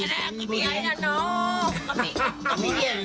ดูท่าทางฝ่ายภรรยาหลวงประธานบริษัทจะมีความสุขที่สุดเลยนะเนี่ย